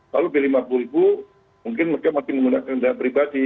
kalau lebih rp lima puluh mungkin mereka masih menggunakan dana pribadi